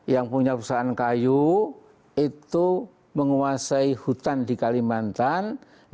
yang punya perusahaan kayu itu menguasai hutan di kalimantan